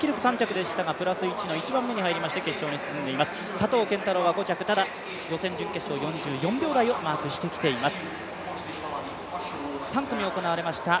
佐藤拳太郎は５着、ただ予選・準決勝、４４秒台をマークしてきています。